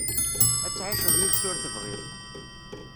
Ad tɛiceḍ yid-s ur tebɣiḍ.